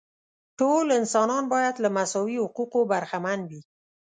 ټول انسانان باید له مساوي حقوقو برخمن وي.